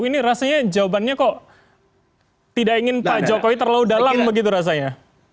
ini rasanya jawabannya kok tidak ingin pak jokowi terlalu dalam begitu rasanya